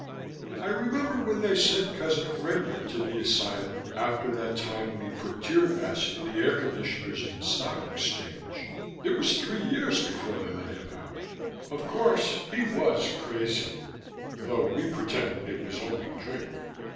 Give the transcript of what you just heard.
"I remember when they sent Cousin Frederick to the asylum after that time when he put tear gas in the air conditioners in the Stock Exchange, it was three years before they let him out. Of course he was crazy, though we pretended it was only drink.